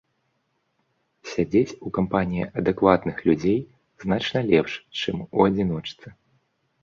Сядзець у кампаніі адэкватных людзей значна лепш, чым у адзіночцы.